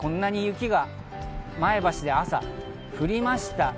こんなに雪が前橋で朝、降りました。